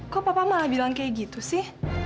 kok papa malah bilang kayak gitu sih